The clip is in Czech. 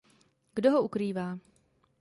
Kdo ho ukrývá?